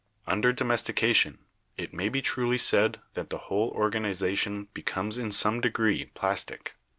Under domestica tion, it may be truly said that the whole organization be comes in some degree plastic.